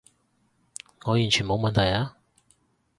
我完全冇問題啊